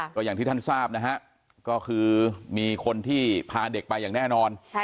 ก็อย่างที่ท่านทราบนะฮะก็คือมีคนที่พาเด็กไปอย่างแน่นอน